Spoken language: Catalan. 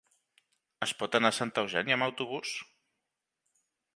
Es pot anar a Santa Eugènia amb autobús?